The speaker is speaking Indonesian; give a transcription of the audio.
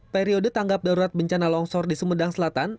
periode tanggap darurat bencana longsor di sumedang selatan